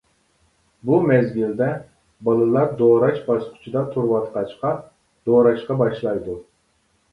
بۇ مەزگىلدە، بالىلار دوراش باسقۇچىدا تۇرۇۋاتقاچقا، دوراشقا باشلايدۇ.